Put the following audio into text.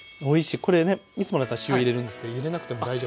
これねいつもだったら塩入れるんですけど入れなくても大丈夫。